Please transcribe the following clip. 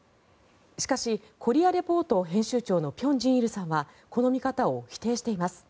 しかし「コリア・レポート」編集長の辺真一さんはこの見方を否定しています。